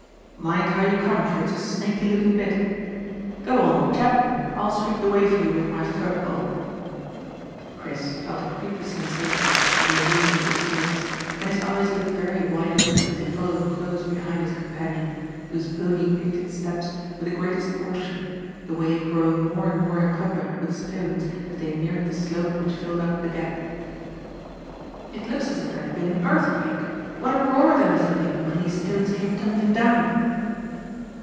Mind how you come, for it's a snaky looking bit. Go on, old chap; I'll sweep the way for you with my fir pole." Chris felt a creepy sensation at the allusion to snakes, and his eyes looked very wide open as he followed close behind his companion, whose pony picked its steps with the greatest caution, the way growing more and more encumbered with stones as they neared the slope which filled up the gap. "It looks as if there had been an earthquake. What a roar there must have been when these stones came tumbling down!"